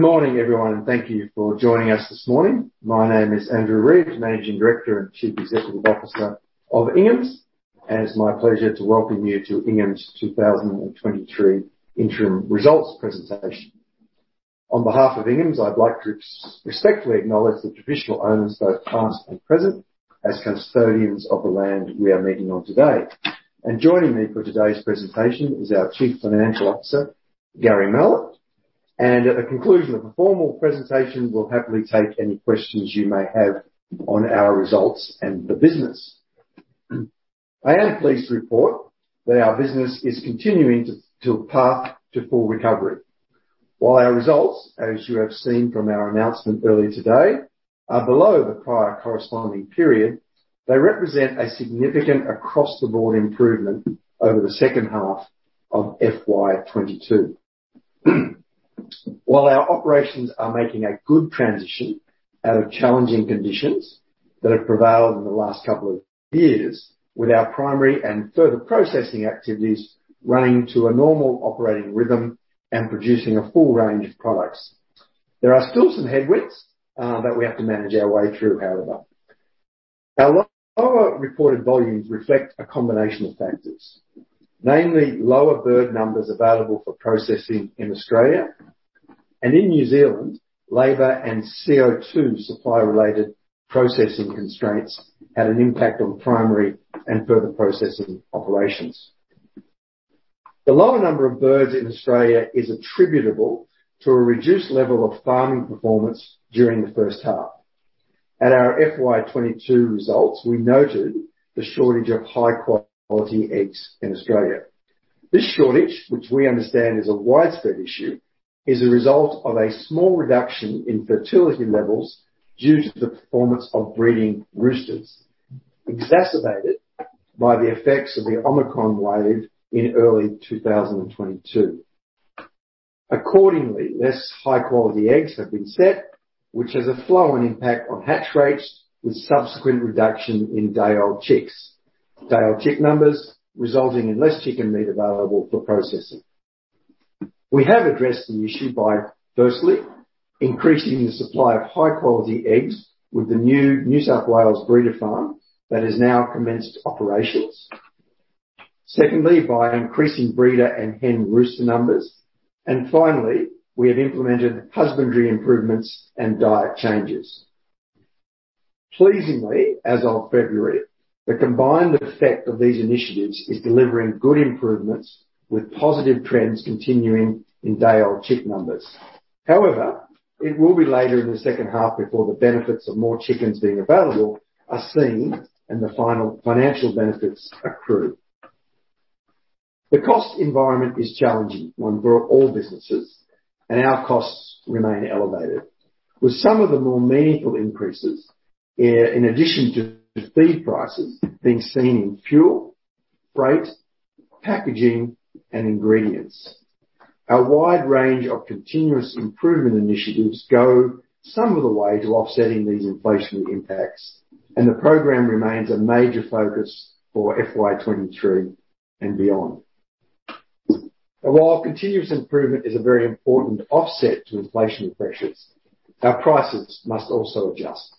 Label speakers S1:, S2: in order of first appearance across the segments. S1: Good morning, everyone, thank you for joining us this morning. My name is Andrew Reeves, Managing Director and Chief Executive Officer of Ingham's, and it's my pleasure to welcome you to Ingham's' 2023 Interim Results Presentation. On behalf of Ingham's, I'd like to respectfully acknowledge the traditional owners, both past and present, as custodians of the land we are meeting on today. Joining me for today's presentation is our Chief Financial Officer, Gary Mallett. At the conclusion of the formal presentation, we'll happily take any questions you may have on our results and the business. I am pleased to report that our business is continuing to a path to full recovery. While our results, as you have seen from our announcement earlier today, are below the prior corresponding period, they represent a significant across-the-board improvement over the second half of FY 2022. While our operations are making a good transition out of challenging conditions that have prevailed in the last couple of years, with our primary and further processing activities running to a normal operating rhythm and producing a full range of products. There are still some headwinds that we have to manage our way through, however. Our lower reported volumes reflect a combination of factors, namely lower bird numbers available for processing in Australia, and in New Zealand, labor and CO2 supply-related processing constraints had an impact on primary and further processing operations. The lower number of birds in Australia is attributable to a reduced level of farming performance during the first half. At our FY 2022 results, we noted the shortage of high-quality eggs in Australia. This shortage, which we understand is a widespread issue, is a result of a small reduction in fertility levels due to the performance of breeding roosters, exacerbated by the effects of the Omicron wave in early 2022. Accordingly, less high-quality eggs have been set, which has a flow-on impact on hatch rates with subsequent reduction in day-old chicks. Day-old chick numbers resulting in less chicken meat available for processing. We have addressed the issue by, firstly, increasing the supply of high-quality eggs with the new New South Wales breeder farm that has now commenced operations. Secondly, by increasing breeder and hen rooster numbers. Finally, we have implemented husbandry improvements and diet changes. Pleasingly, as of February, the combined effect of these initiatives is delivering good improvements with positive trends continuing in day-old chick numbers. However, it will be later in the second half before the benefits of more chickens being available are seen and the final financial benefits accrue. The cost environment is challenging for all businesses, and our costs remain elevated, with some of the more meaningful increases, in addition to feed prices being seen in fuel, freight, packaging, and ingredients. Our wide range of continuous improvement initiatives go some of the way to offsetting these inflationary impacts, and the program remains a major focus for FY 2023 and beyond. While continuous improvement is a very important offset to inflationary pressures, our prices must also adjust.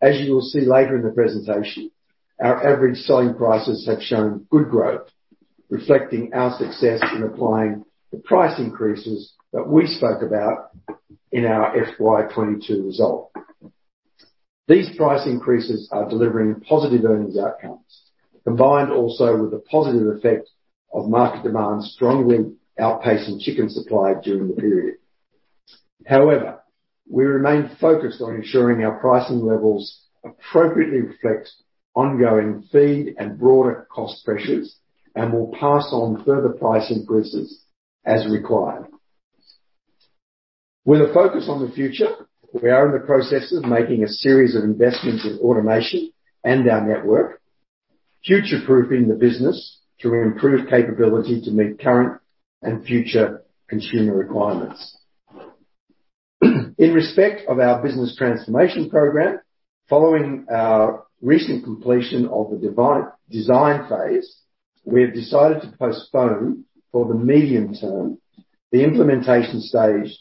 S1: As you will see later in the presentation, our average selling prices have shown good growth, reflecting our success in applying the price increases that we spoke about in our FY 2022 result. These price increases are delivering positive earnings outcomes, combined also with the positive effect of market demand strongly outpacing chicken supply during the period. We remain focused on ensuring our pricing levels appropriately reflect ongoing feed and broader cost pressures, and will pass on further price increases as required. With a focus on the future, we are in the process of making a series of investments in automation and our network, future-proofing the business to improve capability to meet current and future consumer requirements. In respect of our business transformation program, following our recent completion of the design phase, we have decided to postpone, for the medium term, the implementation stage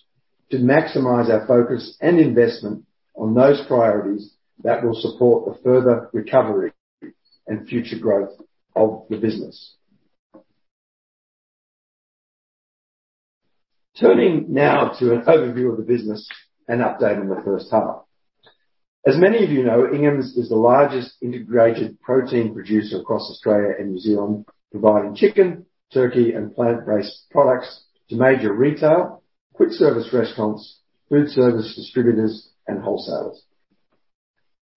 S1: to maximize our focus and investment on those priorities that will support the further recovery and future growth of the business. Turning now to an overview of the business and update on the first half. As many of you know, Ingham's is the largest integrated protein producer across Australia and New Zealand, providing chicken, turkey, and plant-based products to major retail, quick service restaurants, food service distributors, and wholesalers.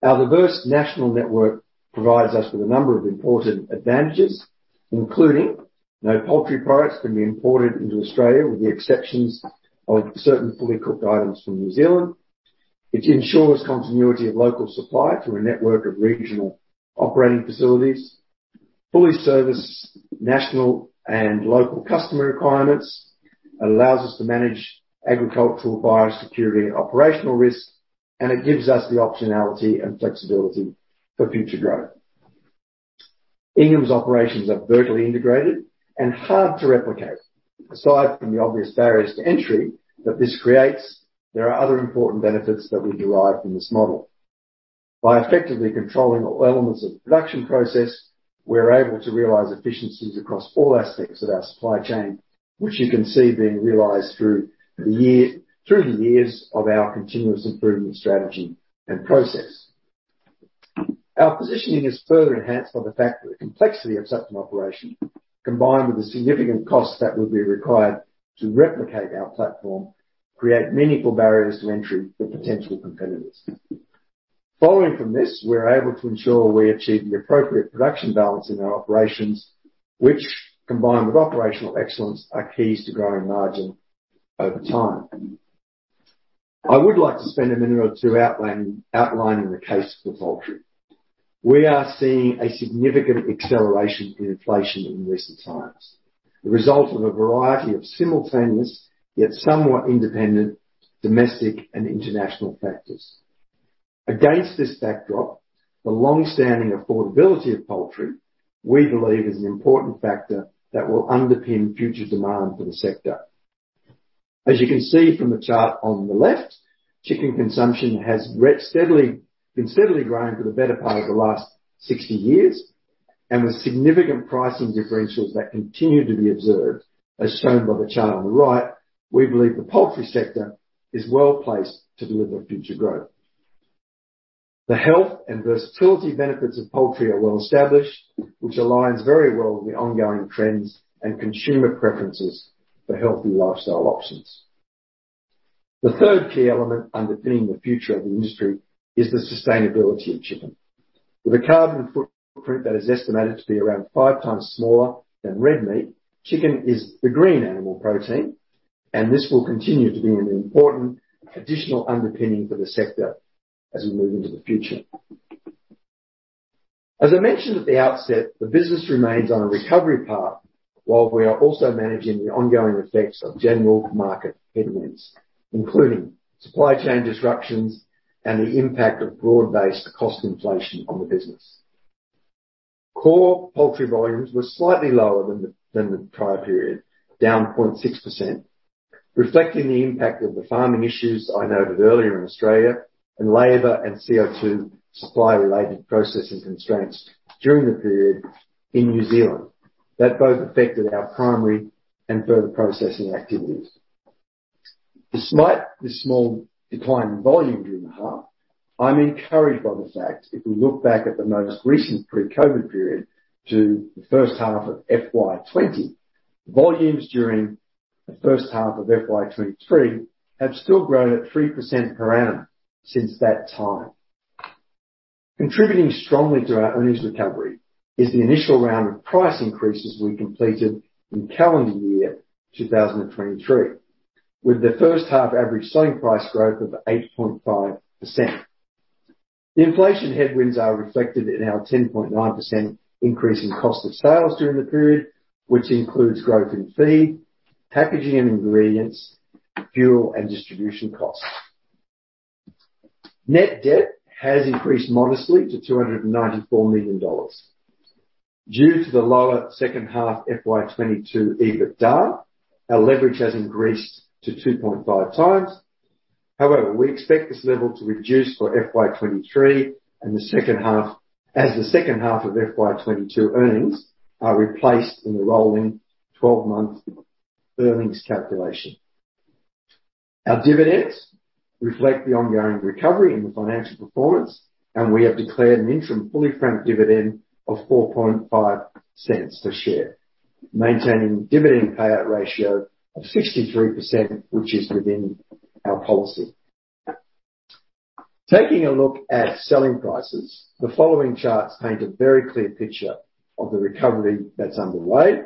S1: Our diverse national network provides us with a number of important advantages, including no poultry products can be imported into Australia, with the exceptions of certain fully cooked items from New Zealand, which ensures continuity of local supply through a network of regional operating facilities, fully service national and local customer requirements, allows us to manage agricultural biosecurity and operational risks, and it gives us the optionality and flexibility for future growth. Ingham's' operations are vertically integrated and hard to replicate. Aside from the obvious barriers to entry that this creates, there are other important benefits that we derive from this model. By effectively controlling all elements of the production process, we're able to realize efficiencies across all aspects of our supply chain, which you can see being realized through the years of our continuous improvement strategy and process. Our positioning is further enhanced by the fact that the complexity of such an operation, combined with the significant costs that would be required to replicate our platform, create meaningful barriers to entry for potential competitors. Following from this, we're able to ensure we achieve the appropriate production balance in our operations, which, combined with operational excellence, are keys to growing margin over time. I would like to spend a minute or two outlining the case for poultry. We are seeing a significant acceleration in inflation in recent times, the result of a variety of simultaneous, yet somewhat independent, domestic and international factors. Against this backdrop, the long-standing affordability of poultry, we believe, is an important factor that will underpin future demand for the sector. As you can see from the chart on the left, chicken consumption has been steadily growing for the better part of the last 60 years. With significant pricing differentials that continue to be observed, as shown by the chart on the right, we believe the poultry sector is well-placed to deliver future growth. The health and versatility benefits of poultry are well-established, which aligns very well with the ongoing trends and consumer preferences for healthy lifestyle options. The third key element underpinning the future of the industry is the sustainability of chicken. With a carbon footprint that is estimated to be around five times smaller than red meat, chicken is the green animal protein, and this will continue to be an important additional underpinning for the sector as we move into the future. As I mentioned at the outset, the business remains on a recovery path while we are also managing the ongoing effects of general market headwinds, including supply chain disruptions and the impact of broad-based cost inflation on the business. Core poultry volumes were slightly lower than the prior period, down 0.6%, reflecting the impact of the farming issues I noted earlier in Australia and labor and CO2 supply-related processing constraints during the period in New Zealand that both affected our primary and further processing activities. Despite the small decline in volume during the half, I'm encouraged by the fact, if we look back at the most recent pre-COVID period to the first half of FY 2020, volumes during the first half of FY 2023 have still grown at 3% per annum since that time. Contributing strongly to our earnings recovery is the initial round of price increases we completed in calendar year 2023, with the first half average selling price growth of 8.5%. The inflation headwinds are reflected in our 10.9% increase in cost of sales during the period, which includes growth in feed, packaging and ingredients, fuel, and distribution costs. Net debt has increased modestly to 294 million dollars. Due to the lower second half FY 2022 EBITDA, our leverage has increased to 2.5x. We expect this level to reduce for FY 2023 as the second half of FY 2022 earnings are replaced in the rolling 12-month earnings calculation. We have declared an interim fully franked dividend of 0.045 per share, maintaining dividend payout ratio of 63%, which is within our policy. Taking a look at selling prices, the following charts paint a very clear picture of the recovery that's underway,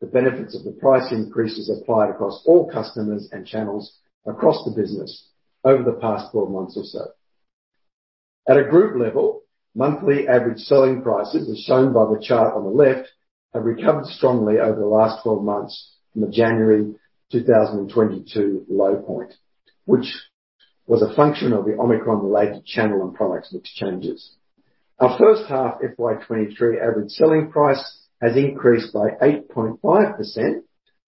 S1: the benefits of the price increases applied across all customers and channels across the business over the past four months or so. At a group level, monthly average selling prices, as shown by the chart on the left, have recovered strongly over the last 12 months from the January 2022 low point, which was a function of the Omicron-related channel and products mix changes. Our first half FY 2023 average selling price has increased by 8.5%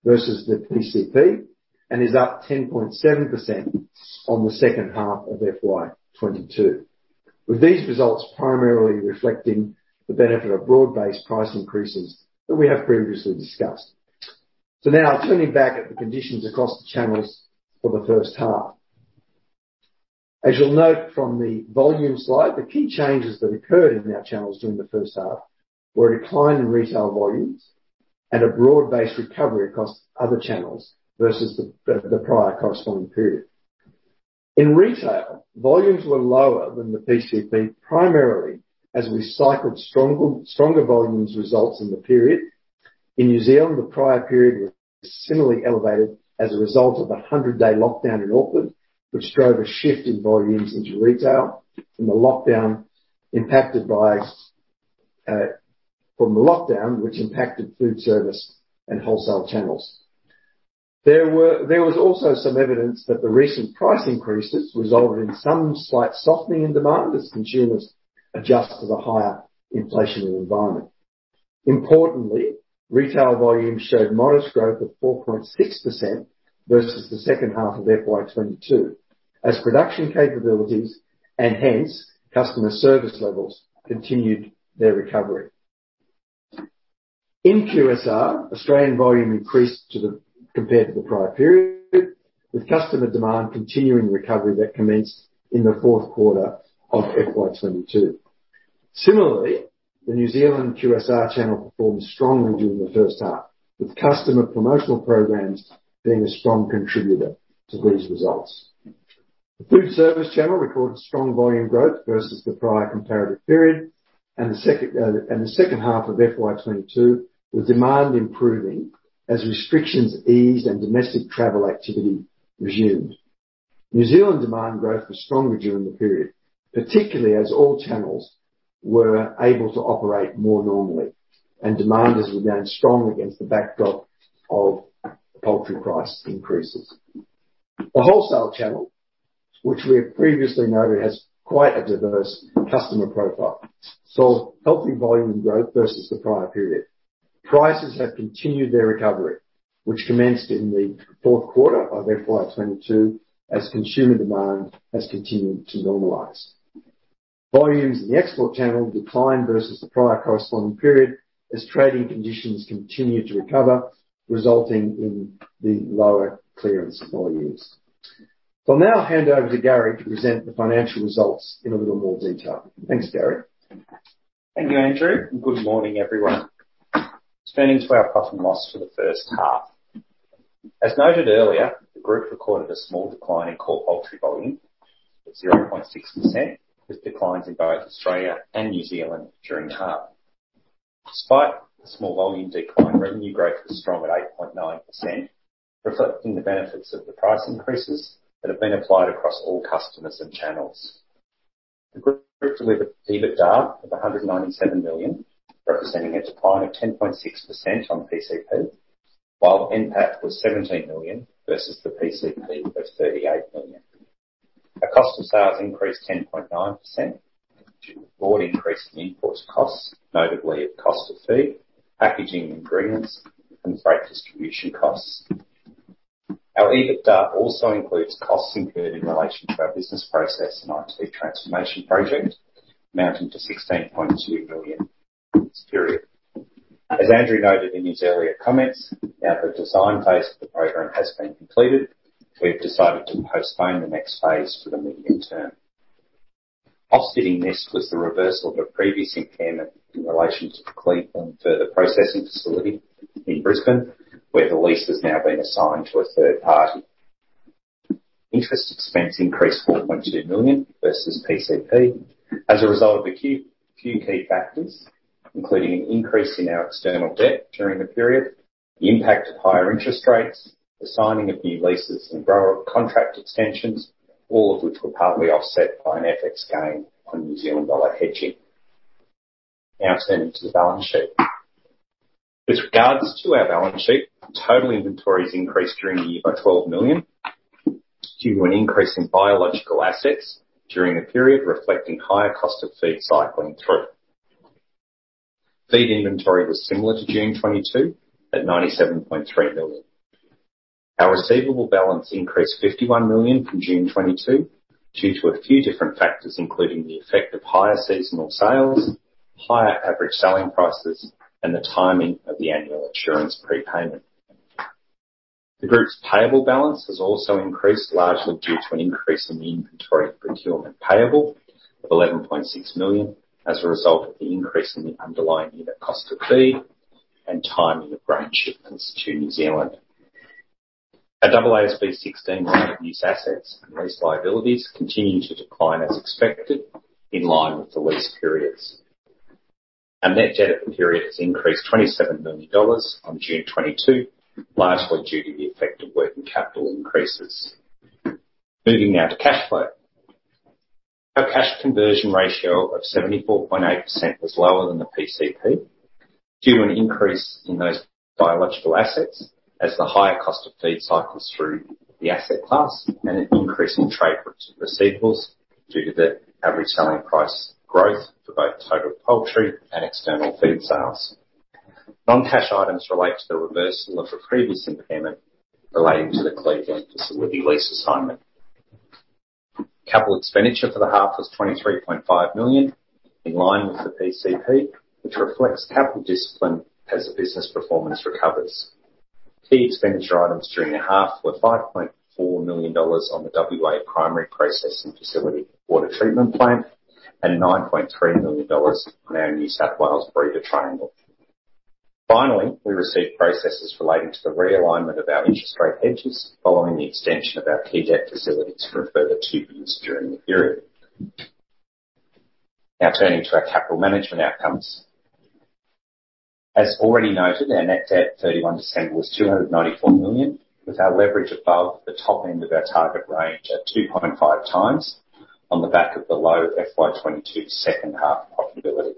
S1: versus the PCP, and is up 10.7% on the second half of FY 2022, with these results primarily reflecting the benefit of broad-based price increases that we have previously discussed. Now turning back at the conditions across the channels for the first half. As you'll note from the volume slide, the key changes that occurred in our channels during the first half were a decline in retail volumes and a broad-based recovery across other channels versus the prior corresponding period. In retail, volumes were lower than the PCP, primarily as we cycled stronger volumes results in the period. In New Zealand, the prior period was similarly elevated as a result of a 100-day lockdown in Auckland, which drove a shift in volumes into retail from the lockdown which impacted food service and wholesale channels. There was also some evidence that the recent price increases resulted in some slight softening in demand as consumers adjust to the higher inflationary environment. Importantly, retail volumes showed modest growth of 4.6% versus the second half of FY 2022 as production capabilities, and hence customer service levels, continued their recovery. In QSR, Australian volume increased compared to the prior period, with customer demand continuing recovery that commenced in the fourth quarter of FY 2022. Similarly, the New Zealand QSR channel performed strongly during the first half, with customer promotional programs being a strong contributor to these results. The food service channel recorded strong volume growth versus the prior comparative period and the second half of FY 2022, with demand improving as restrictions eased and domestic travel activity resumed. New Zealand demand growth was stronger during the period, particularly as all channels were able to operate more normally and demand has remained strong against the backdrop of poultry price increases. The wholesale channel, which we have previously noted has quite a diverse customer profile, saw healthy volume growth versus the prior period. Prices have continued their recovery, which commenced in the fourth quarter of FY 2022 as consumer demand has continued to normalize. Volumes in the export channel declined versus the prior corresponding period as trading conditions continued to recover, resulting in the lower clearance volumes. I'll now hand over to Gary to present the financial results in a little more detail. Thanks, Gary.
S2: Thank you, Andrew, good morning, everyone. Turning to our profit and loss for the first half. As noted earlier, the group recorded a small decline in core poultry volume of 0.6%, with declines in both Australia and New Zealand during the half. Despite the small volume decline, revenue growth was strong at 8.9%, reflecting the benefits of the price increases that have been applied across all customers and channels. The group delivered EBITDA of 197 million, representing a decline of 10.6% on PCP, while NPAT was 17 million versus the PCP of 38 million. Our cost of sales increased 10.9% due to broad increase in input costs, notably at cost of feed, packaging ingredients, and freight distribution costs. Our EBITDA also includes costs incurred in relation to our business process and IT transformation project, amounting to 16.2 million this period. As Andrew noted in his earlier comments, now the design phase of the program has been completed, we've decided to postpone the next phase for the medium term. Offsetting this was the reversal of a previous impairment in relation to the Cleveland further processing facility in Brisbane, where the lease has now been assigned to a third party. Interest expense increased 4.2 million versus PCP as a result of a few key factors, including an increase in our external debt during the period, the impact of higher interest rates, the signing of new leases and grower contract extensions, all of which were partly offset by an FX gain on New Zealand dollar hedging. Turning to the balance sheet. With regards to our balance sheet, total inventories increased during the year by $12 million due to an increase in biological assets during the period, reflecting higher cost of feed cycling through. Feed inventory was similar to June 2022 at $97.3 million. Our receivable balance increased $51 million from June 2022 due to a few different factors, including the effect of higher seasonal sales, higher average selling prices, and the timing of the annual insurance prepayment. The group's payable balance has also increased, largely due to an increase in the inventory procurement payable of $11.6 million as a result of the increase in the underlying unit cost of feed and timing of grain shipments to New Zealand. Our AASB 16 right-of-use assets and lease liabilities continue to decline as expected in line with the lease periods. Our net debt from period has increased 27 million dollars on June 22, largely due to the effect of working capital increases. Moving now to cash flow. Our cash conversion ratio of 74.8% was lower than the PCP, due to an increase in those biological assets as the higher cost of feed cycles through the asset class and an increase in trade receivables due to the average selling price growth for both total poultry and external feed sales. Non-cash items relate to the reversal of a previous impairment relating to the Cleveland facility lease assignment. Capital expenditure for the half was 23.5 million, in line with the PCP, which reflects capital discipline as the business performance recovers. Key expenditure items during the half were 5.4 million dollars on the WA primary processing facility water treatment plant and 9.3 million dollars on our New South Wales breeder triangle. We received processes relating to the realignment of our interest rate hedges following the extension of our key debt facility to a further two years during the period. Turning to our capital management outcomes. Already noted, our net debt at December 31 was 294 million, with our leverage above the top end of our target range at 2.5 x on the back of the low FY 2022 second half profitability.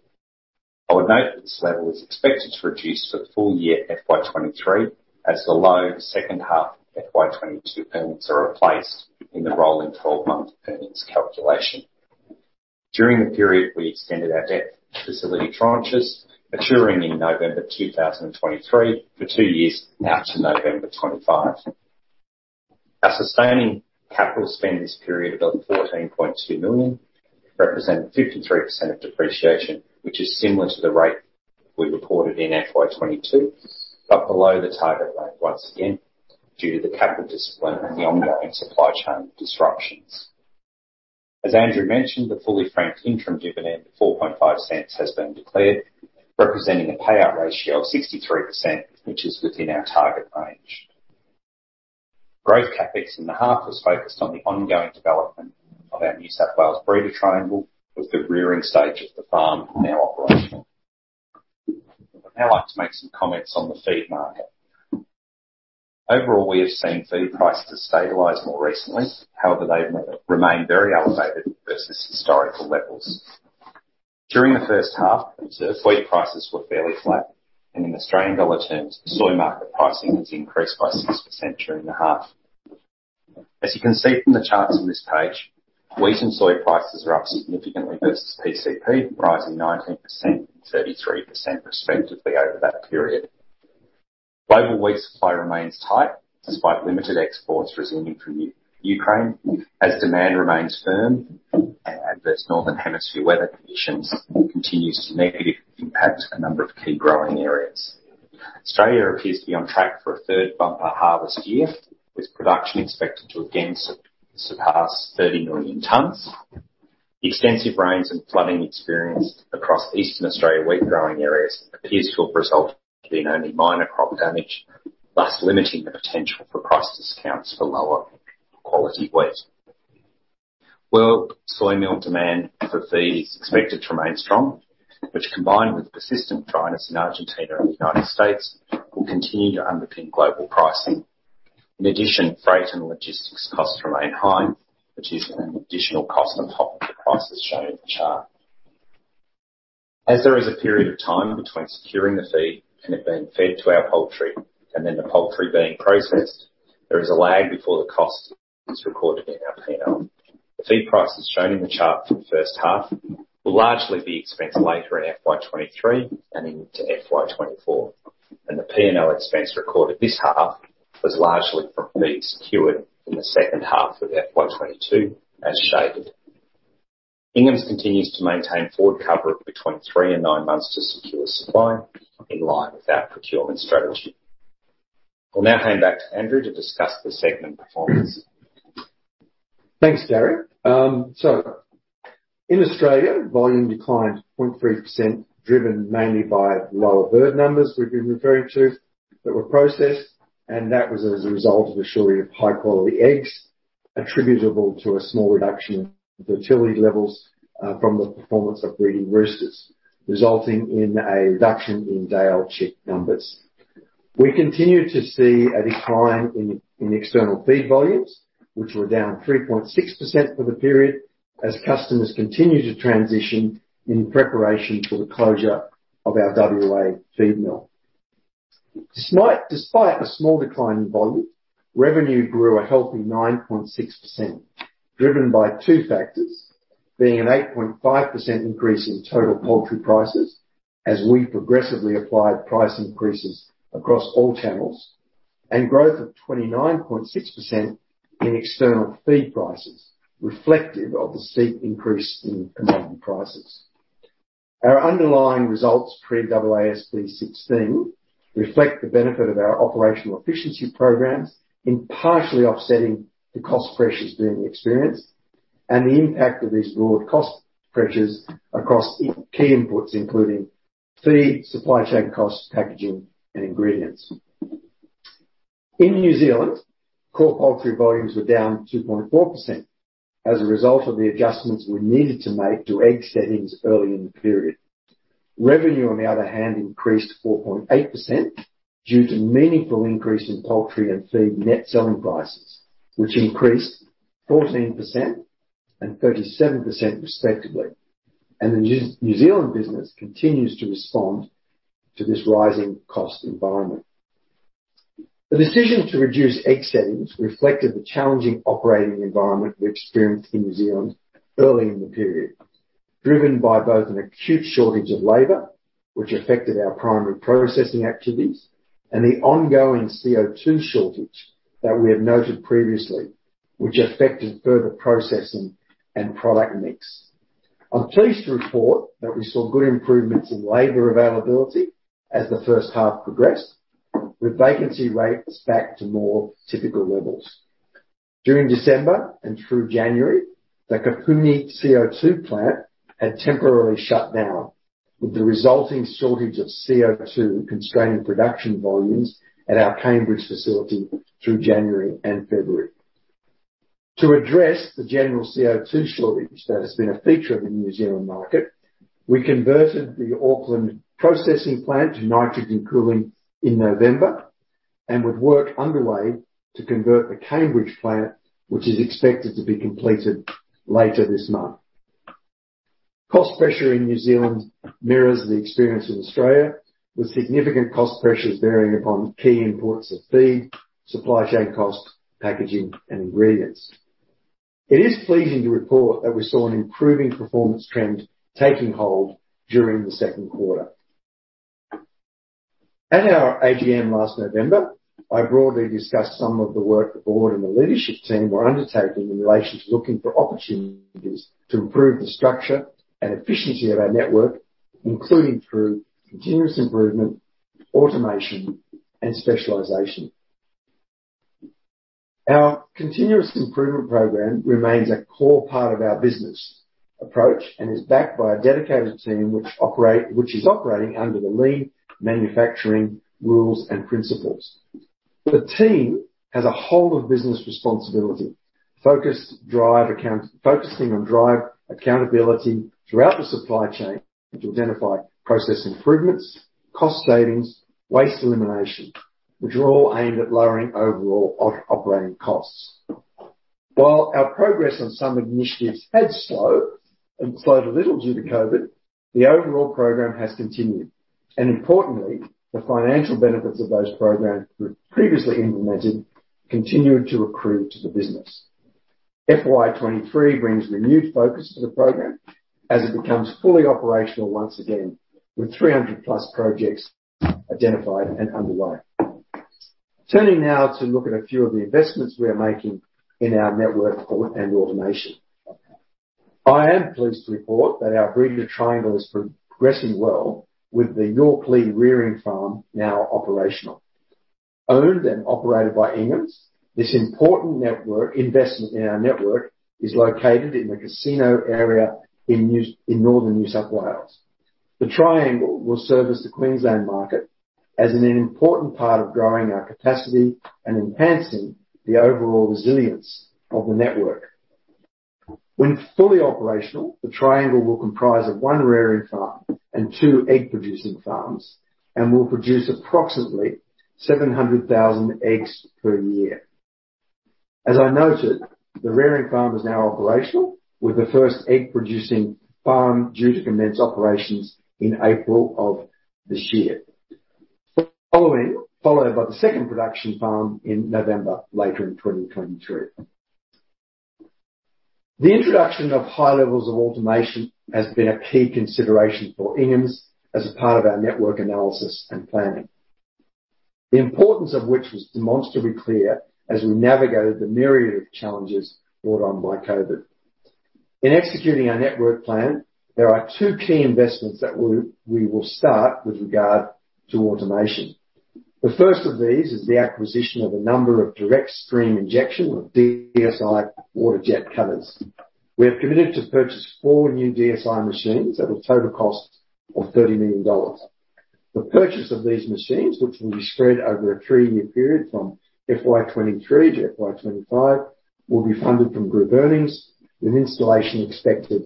S2: I would note that this level is expected to reduce for the full year FY 2023, as the low second half FY 2022 earnings are replaced in the rolling 12-month earnings calculation. During the period, we extended our debt facility tranches maturing in November 2023 for two years out to November 2025. Our sustaining capital spend this period of 14.2 million represented 53% of depreciation, which is similar to the rate we reported in FY 2022, but below the target rate once again due to the capital discipline and the ongoing supply chain disruptions. Andrew mentioned, the fully franked interim dividend of 0.045 has been declared, representing a payout ratio of 63%, which is within our target range. Growth CapEx in the half was focused on the ongoing development of our New South Wales breeder triangle, with the rearing stage of the farm now operational. I'd now like to make some comments on the feed market. We have seen feed prices stabilize more recently. However, they've remain very elevated versus historical levels. During the first half, wheat prices were fairly flat, and in Australian dollar terms, the soy market pricing has increased by 6% during the half. As you can see from the charts on this page, wheat and soy prices are up significantly versus PCP, rising 19% and 33% respectively over that period. Global wheat supply remains tight despite limited exports resuming from Ukraine, as demand remains firm and adverse Northern Hemisphere weather conditions will continue to negatively impact a number of key growing areas. Australia appears to be on track for a third bumper harvest year, with production expected to again surpass 30 million tons. The extensive rains and flooding experienced across the Eastern Australia wheat growing areas appears to have resulted in only minor crop damage, thus limiting the potential for price discounts for lower quality wheat. World soy meal demand for feed is expected to remain strong, which combined with persistent dryness in Argentina and the United States, will continue to underpin global pricing. In addition, freight and logistics costs remain high, which is an additional cost on top of the prices shown in the chart. As there is a period of time between securing the feed and it being fed to our poultry, and then the poultry being processed, there is a lag before the cost is recorded in our P&L. The feed prices shown in the chart for the first half will largely be expensed later in FY 2023 and into FY 2024, and the P&L expense recorded this half was largely from feed secured in the second half of FY 2022 as shaded. Ingham's continues to maintain forward cover of between three and nine months to secure supply in line with our procurement strategy. I'll now hand back to Andrew to discuss the segment performance.
S1: Thanks, Gary. In Australia, volume declined 0.3%, driven mainly by lower bird numbers we've been referring to that were processed, and that was as a result of a shortage of high-quality eggs attributable to a small reduction of fertility levels from the performance of breeding roosters, resulting in a reduction in day-old chick numbers. We continue to see a decline in external feed volumes, which were down 3.6% for the period as customers continue to transition in preparation for the closure of our WA feed mill. Despite a small decline in volume, revenue grew a healthy 9.6%, driven by two factors being an 8.5% increase in total poultry prices as we progressively applied price increases across all channels and growth of 29.6% in external feed prices, reflective of the steep increase in commodity prices. Our underlying results pre AASB 16 reflect the benefit of our operational efficiency programs in partially offsetting the cost pressures being experienced and the impact of these broad cost pressures across key inputs including feed, supply chain costs, packaging and ingredients. In New Zealand, core poultry volumes were down 2.4% as a result of the adjustments we needed to make to egg settings early in the period. Revenue, on the other hand, increased 4.8% due to meaningful increase in poultry and feed net selling prices, which increased 14% and 37% respectively. The New Zealand business continues to respond to this rising cost environment. The decision to reduce egg settings reflected the challenging operating environment we experienced in New Zealand early in the period, driven by both an acute shortage of labor, which affected our primary processing activities, and the ongoing CO₂ shortage that we have noted previously, which affected further processing and product mix. I'm pleased to report that we saw good improvements in labor availability as the first half progressed, with vacancy rates back to more typical levels. During December and through January, the Kapuni CO₂ plant had temporarily shut down, with the resulting shortage of CO₂ constraining production volumes at our Cambridge facility through January and February. To address the general CO₂ shortage that has been a feature of the New Zealand market, we converted the Auckland processing plant to nitrogen cooling in November, and with work underway to convert the Cambridge plant, which is expected to be completed later this month. Cost pressure in New Zealand mirrors the experience in Australia, with significant cost pressures bearing upon key imports of feed, supply chain costs, packaging, and ingredients. It is pleasing to report that we saw an improving performance trend taking hold during the second quarter. At our AGM last November, I broadly discussed some of the work the board and the leadership team were undertaking in relation to looking for opportunities to improve the structure and efficiency of our network, including through continuous improvement, automation, and specialization. Our continuous improvement program remains a core part of our business approach and is backed by a dedicated team which is operating under the lean manufacturing rules and principles. The team has a whole of business responsibility, focus, focusing on drive accountability throughout the supply chain to identify process improvements, cost savings, waste elimination, which are all aimed at lowering overall operating costs. While our progress on some initiatives had slowed a little due to COVID, the overall program has continued, and importantly, the financial benefits of those programs we previously implemented continued to accrue to the business. FY 2023 brings renewed focus to the program as it becomes fully operational once again, with 300+ projects identified and underway. Turning now to look at a few of the investments we are making in our network and automation. I am pleased to report that our breeder triangle is progressing well with the Yorklea rearing farm now operational. Owned and operated by Ingham's, this important investment in our network is located in the Casino area in Northern New South Wales. The triangle will service the Queensland market as an important part of growing our capacity and enhancing the overall resilience of the network. When fully operational, the triangle will comprise of one rearing farm and two egg-producing farms and will produce approximately 700,000 eggs per year. As I noted, the rearing farm is now operational, with the first egg-producing farm due to commence operations in April of this year. Followed by the second production farm in November, later in 2023. The introduction of high levels of automation has been a key consideration for Ingham's as a part of our network analysis and planning. The importance of which was demonstrably clear as we navigated the myriad of challenges brought on by COVID. In executing our network plan, there are two key investments that we will start with regard to automation. The first of these is the acquisition of a number of Direct Stream Injection, or DSI, waterjet cutters. We have committed to purchase four new DSI machines at a total cost of $30 million. The purchase of these machines, which will be spread over a three-year period from FY 2023 to FY 2025, will be funded from group earnings, with installation expected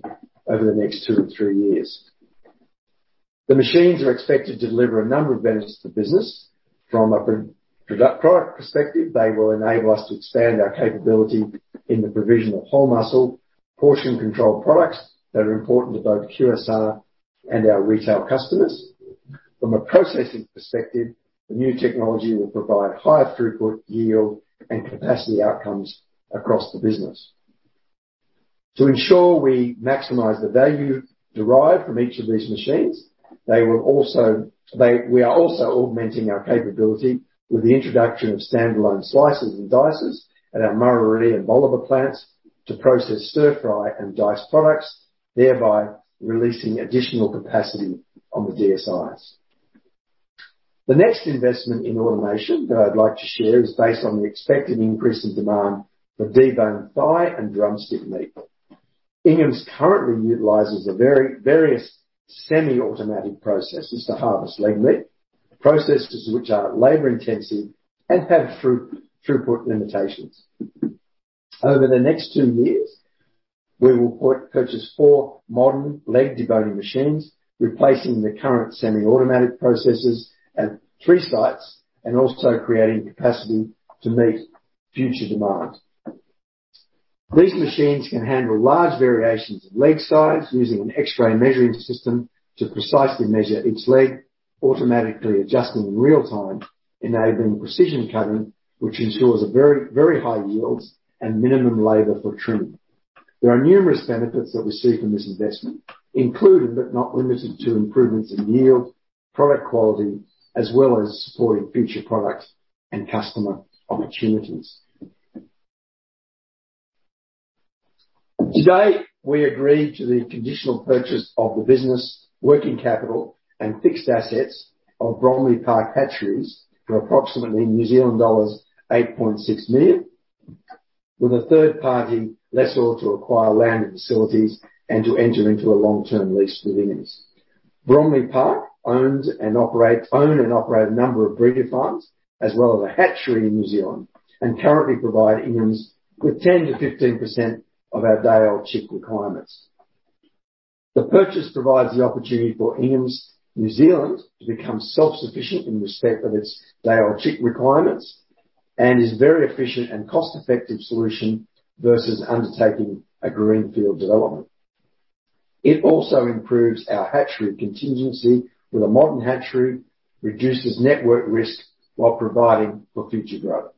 S1: over the next two to three years. The machines are expected to deliver a number of benefits to the business. From a product perspective, they will enable us to expand our capability in the provision of whole muscle, portion control products that are important to both QSR and our retail customers. From a processing perspective, the new technology will provide higher throughput, yield, and capacity outcomes across the business. To ensure we maximize the value derived from each of these machines, we are also augmenting our capability with the introduction of standalone slicers and dicers at our Murarrie and Bolivar plants to process stir-fry and diced products, thereby releasing additional capacity on the DSIs. The next investment in automation that I'd like to share is based on the expected increase in demand for deboned thigh and drumstick meat. Ingham's currently utilizes various semi-automatic processes to harvest leg meat, processes which are labor-intensive and have throughput limitations. Over the next two years, we will purchase four modern leg deboning machines, replacing the current semi-automatic processes at three sites and also creating capacity to meet future demands. These machines can handle large variations in leg size using an X-ray measuring system to precisely measure each leg, automatically adjusting in real time, enabling precision cutting, which ensures a very high yields and minimum labor for trimming. There are numerous benefits that we see from this investment, including but not limited to improvements in yield, product quality, as well as supporting future products and customer opportunities. Today, we agreed to the conditional purchase of the business working capital and fixed assets of Bromley Park Hatcheries for approximately New Zealand dollars 8.6 million, with a third-party lessor to acquire land and facilities and to enter into a long-term lease with Ingham's. Bromley Park own and operate a number of breeder farms as well as a hatchery in New Zealand and currently provide Ingham's with 10% to 15% of our day-old chick requirements. The purchase provides the opportunity for Ingham's New Zealand to become self-sufficient in respect of its day-old chick requirements and is very efficient and cost-effective solution versus undertaking a greenfield development. It also improves our hatchery contingency with a modern hatchery, reduces network risk while providing for future growth.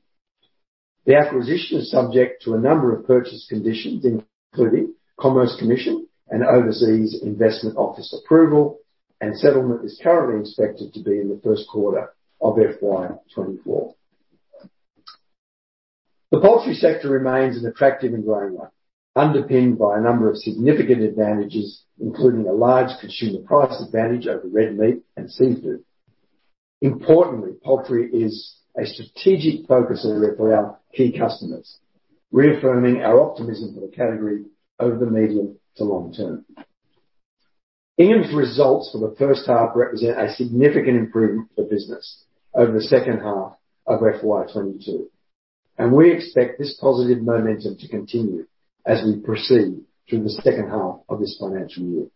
S1: The acquisition is subject to a number of purchase conditions, including Commerce Commission and Overseas Investment Office approval, and settlement is currently expected to be in the first quarter of FY 2024. The poultry sector remains an attractive and growing one, underpinned by a number of significant advantages, including a large consumer price advantage over red meat and seafood. Poultry is a strategic focus area for our key customers, reaffirming our optimism for the category over the medium to long term. Ingham's results for the first half represent a significant improvement for business over the second half of FY 2022. We expect this positive momentum to continue as we proceed through the second half of this financial year.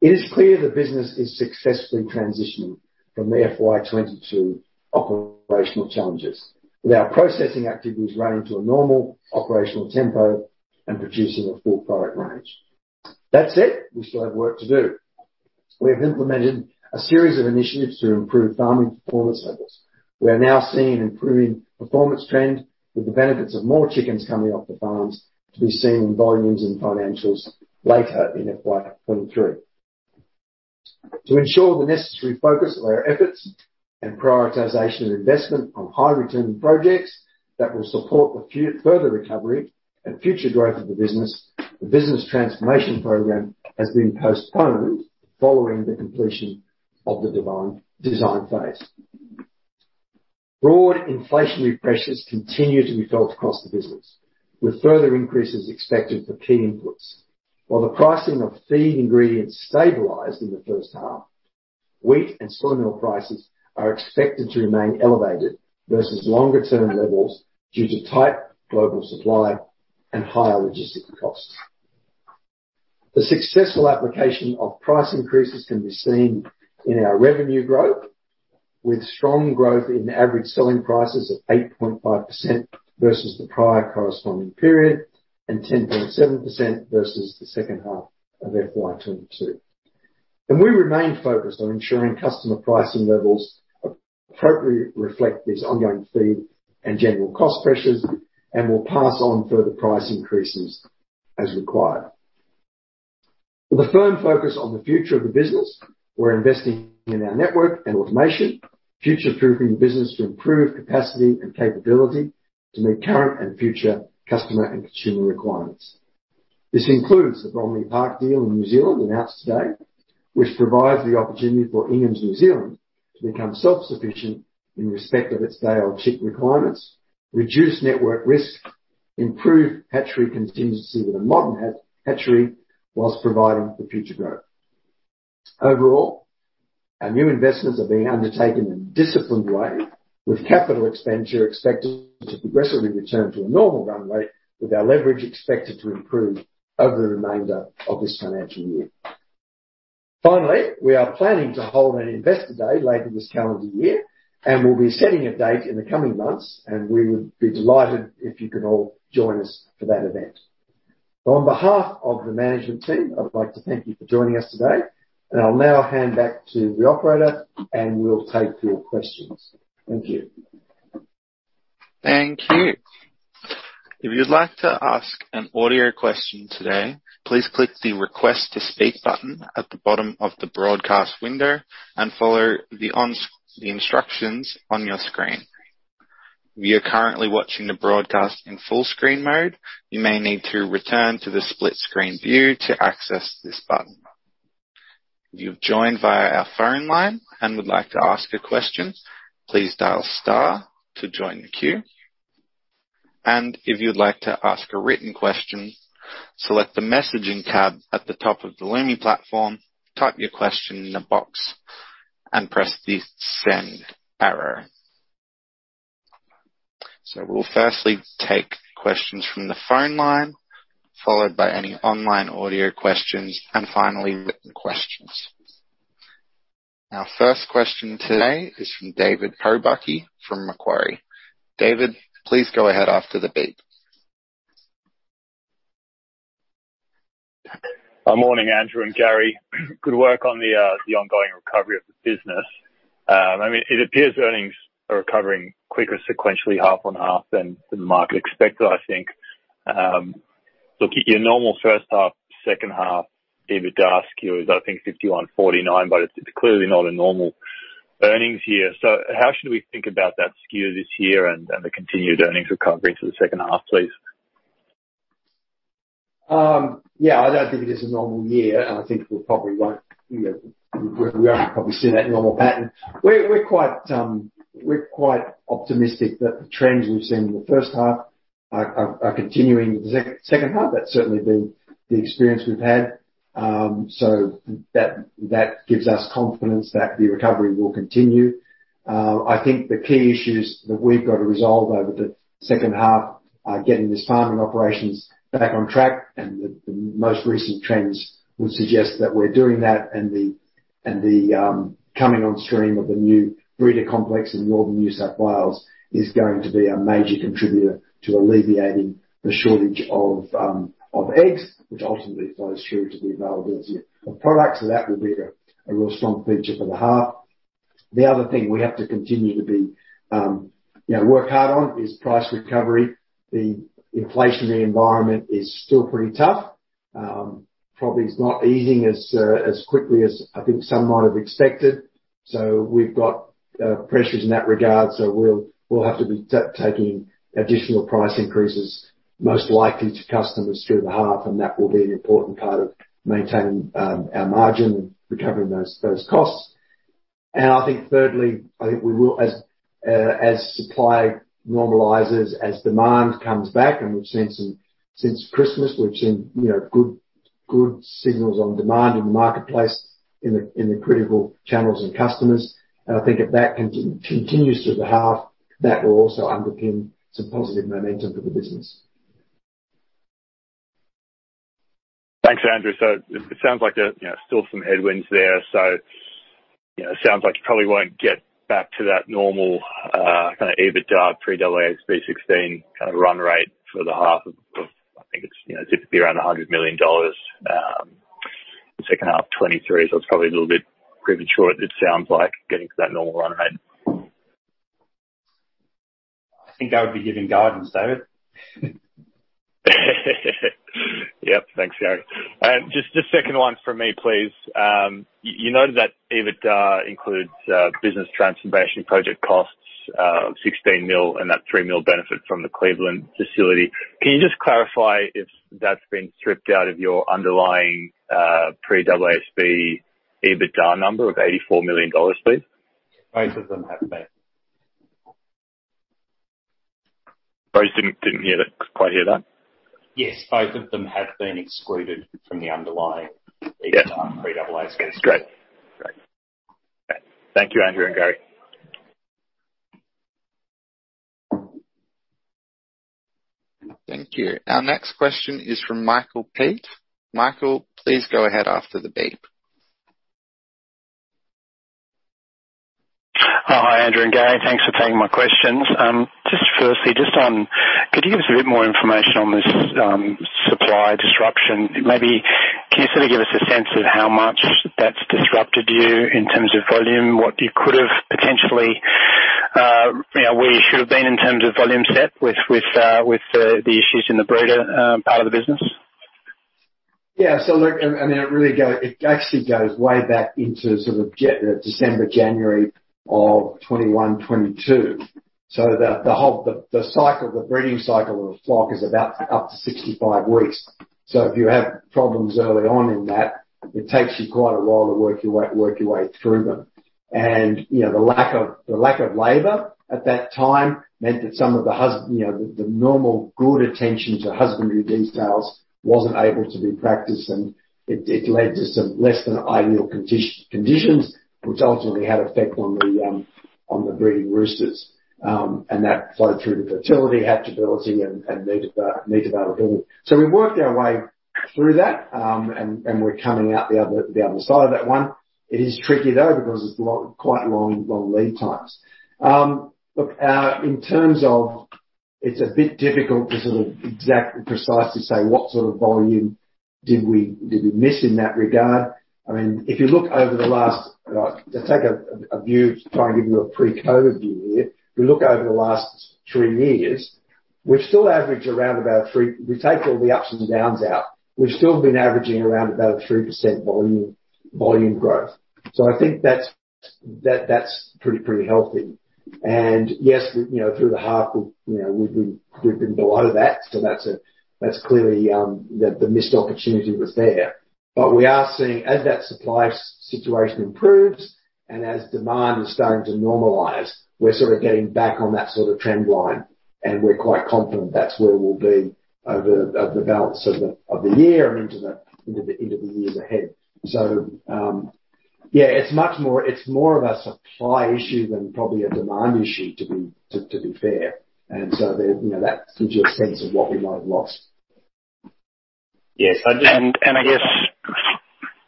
S1: It is clear the business is successfully transitioning from the FY 2022 operational challenges, with our processing activities running to a normal operational tempo and producing a full product range. That said, we still have work to do. We have implemented a series of initiatives to improve farming performance levels. We are now seeing an improving performance trend with the benefits of more chickens coming off the farms to be seen in volumes and financials later in FY 2023. To ensure the necessary focus of our efforts and prioritization of investment on high-return projects that will support the further recovery and future growth of the business, the Business transformation program has been postponed following the completion of the design phase. Broad inflationary pressures continue to be felt across the business, with further increases expected for key inputs. While the pricing of feed ingredients stabilized in the first half, wheat and soy meal prices are expected to remain elevated versus longer-term levels due to tight global supply and higher logistic costs. The successful application of price increases can be seen in our revenue growth, with strong growth in average selling prices of 8.5% versus the prior corresponding period and 10.7% versus the second half of FY 2022. We remain focused on ensuring customer pricing levels appropriately reflect these ongoing feed and general cost pressures and will pass on further price increases as required. With a firm focus on the future of the business, we're investing in our network and automation, future-proofing the business to improve capacity and capability to meet current and future customer and consumer requirements. This includes the Bromley Park deal in New Zealand announced today, which provides the opportunity for Ingham's New Zealand to become self-sufficient in respect of its day-old chick requirements, reduce network risk, improve hatchery contingency with a modern hatchery whilst providing for future growth. Overall, our new investments are being undertaken in a disciplined way, with capital expenditure expected to progressively return to a normal run rate, with our leverage expected to improve over the remainder of this financial year. Finally, we are planning to hold an investor day later this calendar year, and we'll be setting a date in the coming months, and we would be delighted if you could all join us for that event. On behalf of the management team, I would like to thank you for joining us today, and I'll now hand back to the operator and we'll take your questions. Thank you.
S3: Thank you. If you'd like to ask an audio question today, please click the Request to speak button at the bottom of the broadcast window and follow the instructions on your screen. If you are currently watching the broadcast in full screen mode, you may need to return to the split screen view to access this button. If you've joined via our phone line and would like to ask a question, please dial star to join the queue. If you'd like to ask a written question, select the Messaging tab at the top of the Lumi platform, type your question in the box and press the send arrow. We'll firstly take questions from the phone line, followed by any online audio questions, and finally written questions. Our first question today is from David Pobucky from Macquarie. David, please go ahead after the beep.
S4: Morning, Andrew and Gary. Good work on the ongoing recovery of the business. I mean, it appears earnings are recovering quicker sequentially half on half than the market expected, I think. Keep your normal first half, second half, EBITDA skew is I think 51-49, but it's clearly not a normal earnings year. How should we think about that skew this year and the continued earnings recovery to the second half, please?
S1: Yeah, I don't think it is a normal year, and I think we probably won't, you know, we won't probably see that normal pattern. We're quite optimistic that the trends we've seen in the first half are continuing to the second half. That's certainly been the experience we've had. That gives us confidence that the recovery will continue. I think the key issues that we've got to resolve over the second half are getting these farming operations back on track, and the most recent trends would suggest that we're doing that and the coming on stream of the new breeder complex in Northern New South Wales is going to be a major contributor to alleviating the shortage of eggs, which ultimately flows through to the availability of products. That will be a real strong feature for the half. The other thing we have to continue to be, you know, work hard on is price recovery. The inflationary environment is still pretty tough. Probably is not easing as quickly as I think some might have expected. We've got pressures in that regard, so we'll have to be taking additional price increases, most likely to customers through the half, and that will be an important part of maintaining our margin and recovering those costs. I think thirdly, I think we will, as supply normalizes, as demand comes back, and we've seen some since Christmas, we've seen, you know, good signals on demand in the marketplace in the critical channels and customers. I think if that continues through the half, that will also underpin some positive momentum for the business.
S4: Thanks, Andrew. It sounds like there, you know, still some headwinds there. You know, sounds like you probably won't get back to that normal, kind of EBITDA pre AASB 16 kind of run rate for the half of I think it's, you know, seems to be around 100 million dollars, second half 2023. It's probably a little bit premature, it sounds like, getting to that normal run rate.
S2: I think I would be giving guidance, David.
S4: Yep. Thanks, Gary. Just second one for me, please. You noted that EBITDA includes business transformation project costs, 16 million, and that 3 million benefit from the Cleveland facility. Can you just clarify if that's been stripped out of your underlying pre AASB EBITDA number of 84 million dollars, please?
S2: Both of them have been.
S4: Sorry, didn't hear that. Couldn't quite hear that.
S2: Yes, both of them have been excluded from the underlying-
S4: Yeah.
S2: EBITDA pre AASB.
S4: Great. Thank you, Andrew and Gary.
S3: Thank you. Our next question is from Michael Peet. Michael, please go ahead after the beep.
S5: Hi, Andrew and Gary. Thanks for taking my questions. Just firstly, just on, could you give us a bit more information on this supply disruption? Maybe can you sort of give us a sense of how much that's disrupted you in terms of volume, what you could have potentially, you know, where you should have been in terms of volume set with the issues in the breeder part of the business?
S1: Yeah. Look, I mean, it actually goes way back into sort of December, January of 2021, 2022. The whole cycle, the breeding cycle of a flock is about up to 65 weeks. If you have problems early on in that, it takes you quite a while to work your way through them. You know, the lack of labor at that time meant that some of the, you know, the normal good attention to husbandry details wasn't able to be practiced, and it led to some less than ideal conditions, which ultimately had effect on the breeding roosters. That flowed through to fertility, hatchability and meat availability. We worked our way through that, and we're coming out the other side of that one. It is tricky though, because it's quite long lead times. It's a bit difficult to sort of exactly precisely say what sort of volume did we miss in that regard. I mean, if you look over the last, let's take a view to try and give you a pre-COVID view here. If you look over the last three years, we take all the ups and downs out, we've still been averaging around about a 3% volume growth. I think that's pretty healthy. Yes, you know, through the half we've, you know, we've been below that, so that's clearly the missed opportunity was there. We are seeing as that supply situation improves and as demand is starting to normalize, we're sort of getting back on that sort of trend line, and we're quite confident that's where we'll be over the balance of the year and into the years ahead. Yeah, it's much more, it's more of a supply issue than probably a demand issue to be fair. There, you know, that gives you a sense of what we might have lost.
S2: Yes, I.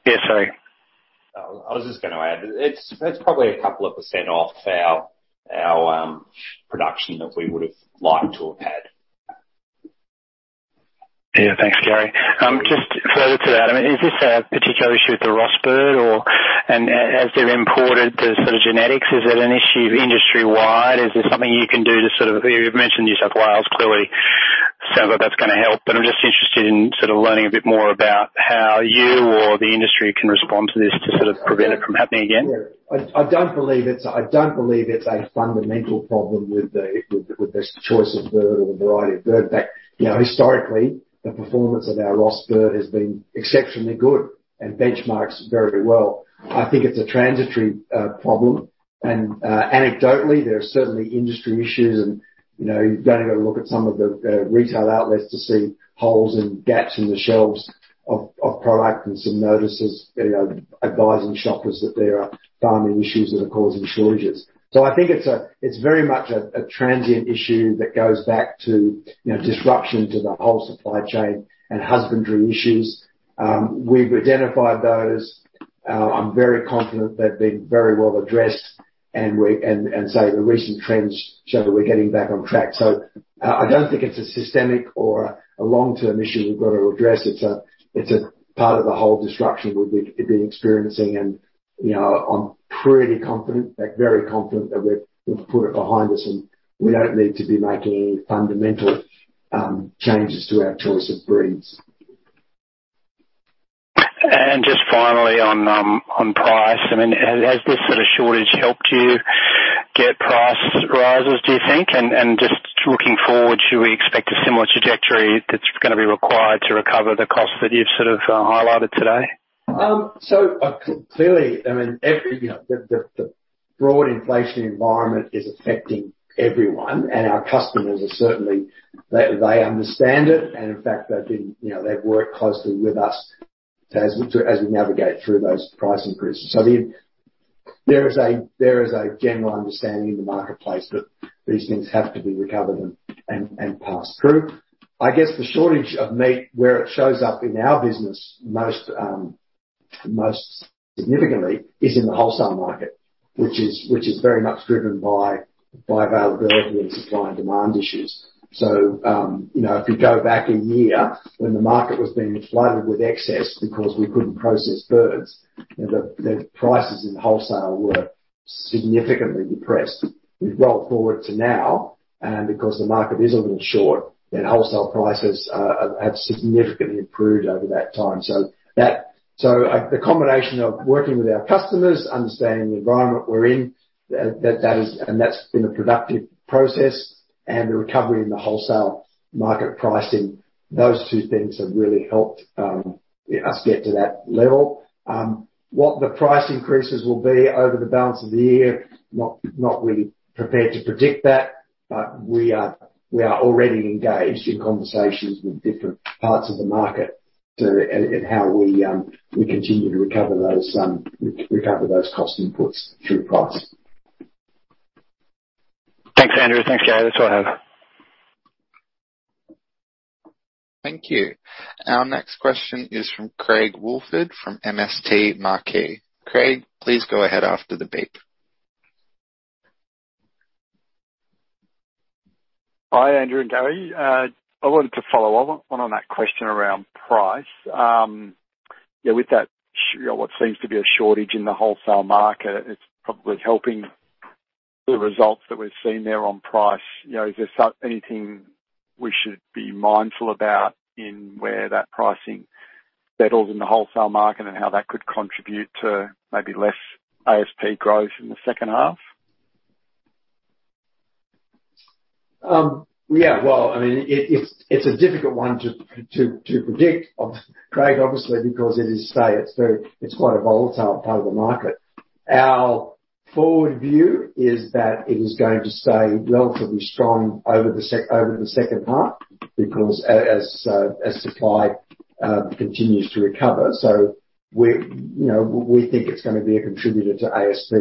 S5: Yeah, sorry.
S2: I was just gonna add, it's probably a couple of percent off our production that we would've liked to have had.
S5: Yeah, thanks, Gary. Just further to that, I mean, is this a particular issue with the Ross bird or as they've imported the sort of genetics, is it an issue industry-wide? Is there something you can do to sort of... You've mentioned New South Wales, clearly sounds like that's gonna help, but I'm just interested in sort of learning a bit more about how you or the industry can respond to this to sort of prevent it from happening again.
S1: Yeah. I don't believe it's a fundamental problem with the choice of bird or the variety of bird. In fact, you know, historically, the performance of our Ross bird has been exceptionally good and benchmarks very well. I think it's a transitory problem. Anecdotally, there are certainly industry issues and, you know, you've only got to look at some of the retail outlets to see holes and gaps in the shelves of product and some notices, you know, advising shoppers that there are farming issues that are causing shortages. I think it's very much a transient issue that goes back to, you know, disruption to the whole supply chain and husbandry issues. We've identified those. I'm very confident they've been very well addressed. The recent trends show that we're getting back on track. I don't think it's a systemic or a long-term issue we've got to address. It's a, it's a part of the whole disruption we've been, we've been experiencing and, you know, I'm pretty confident, like very confident that we've put it behind us, and we don't need to be making any fundamental changes to our choice of breeds.
S5: Just finally on price. I mean, has this sort of shortage helped you get price rises, do you think? Just looking forward, should we expect a similar trajectory that's gonna be required to recover the costs that you've sort of highlighted today?
S1: Clearly, I mean, every, you know, the, the broad inflation environment is affecting everyone and our customers are certainly, they understand it and in fact, they've been, you know, they've worked closely with us as we, as we navigate through those price increases. There is a general understanding in the marketplace that these things have to be recovered and passed through. I guess the shortage of meat, where it shows up in our business most significantly is in the wholesale market, which is very much driven by availability and supply and demand issues. You know, if we go back a year when the market was being flooded with excess because we couldn't process birds, the prices in wholesale were significantly depressed. We roll forward to now. Because the market is a little short, then wholesale prices have significantly improved over that time. The combination of working with our customers, understanding the environment we're in, that is, and that's been a productive process and the recovery in the wholesale market pricing, those two things have really helped us get to that level. What the price increases will be over the balance of the year, not really prepared to predict that. We are already engaged in conversations with different parts of the market and how we continue to recover those recover those cost inputs through price.
S5: Thanks, Andrew. Thanks, Gary. That's all I have.
S3: Thank you. Our next question is from Craig Woolford from MST Marquee. Craig, please go ahead after the beep.
S6: Hi, Andrew and Gary. I wanted to follow up on that question around price. With that, you know, what seems to be a shortage in the wholesale market, it's probably helping the results that we've seen there on price. You know, is there anything we should be mindful about in where that pricing settles in the wholesale market and how that could contribute to maybe less ASP growth in the second half?
S1: Yeah. Well, I mean, it's a difficult one to predict, Craig, obviously, because it's quite a volatile part of the market. Our forward view is that it is going to stay relatively strong over the second half because as supply continues to recover. We, you know, we think it's gonna be a contributor to ASP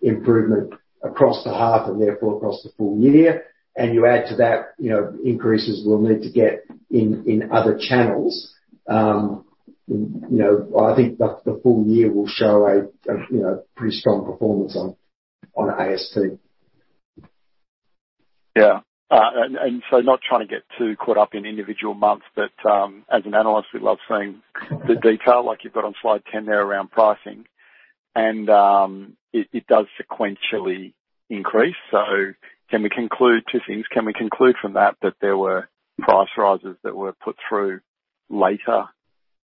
S1: improvement across the half and therefore across the full year. You add to that, you know, increases we'll need to get in other channels. You know, I think the full year will show a, you know, pretty strong performance on ASP.
S6: Yeah. Not trying to get too caught up in individual months, but as an analyst, we love seeing the detail like you've got on slide 10 there around pricing. It does sequentially increase. Can we conclude two things? Can we conclude from that there were price rises that were put through later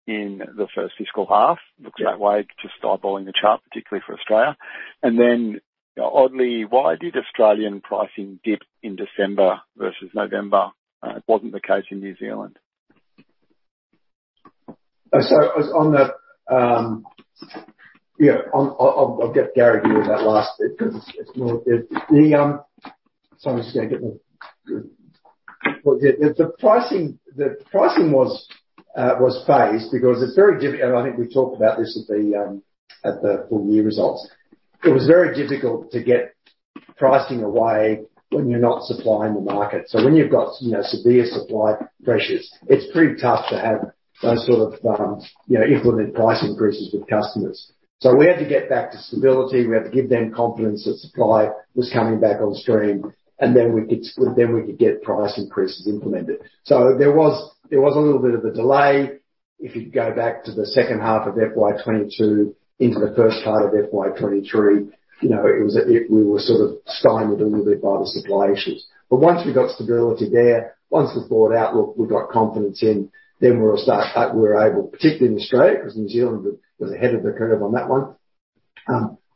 S6: in the first fiscal half?
S1: Yeah.
S6: Looks that way, just eyeballing the chart, particularly for Australia. Oddly, why did Australian pricing dip in December versus November? It wasn't the case in New Zealand.
S1: On the, yeah. I'll get Gary Mallett to do that last bit 'cause it's more, the... The pricing was phased because it's very difficult and I think we talked about this at the full year results. It was very difficult to get pricing away when you're not supplying the market. When you've got you know, severe supply pressures, it's pretty tough to have those sort of, you know, implement price increases with customers. We had to get back to stability. We had to give them confidence that supply was coming back on stream, and then we could get price increases implemented. There was a little bit of a delay. If you go back to the second half of FY 2022 into the first half of FY 2023, you know, we were sort of stymied a little bit by the supply issues. Once we got stability there, once we thought, "Outlook, we've got confidence in," we were able, particularly in Australia, because New Zealand was ahead of the curve on that one,